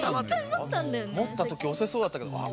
もったときおせそうだったけど。